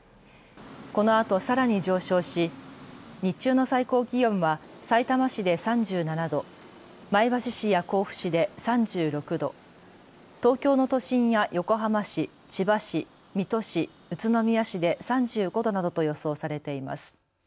このあとさらに上昇し日中の最高気温はさいたま市で３７度、前橋市や甲府市で３６度、東京の都心や横浜市、千葉市、水戸市、宇都宮市で３５度などと予想されています。